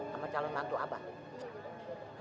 sama calon nantu abah